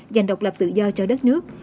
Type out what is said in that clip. giành độc lập tự do cho đất nước